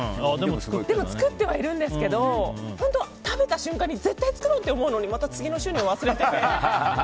でも作ってはいるんですけど本当、食べた瞬間に絶対作ろうと思うのにまた次の週には忘れてて。